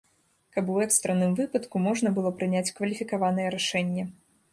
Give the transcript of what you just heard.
Каб у экстранным выпадку можна было прыняць кваліфікаванае рашэнне.